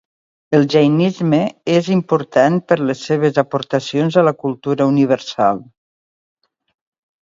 El jainisme és important per les seves aportacions a la cultura universal.